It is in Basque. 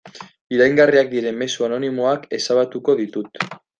Iraingarriak diren mezu anonimoak ezabatuko ditut.